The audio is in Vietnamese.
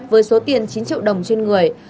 với số tiền chín triệu đồng trên người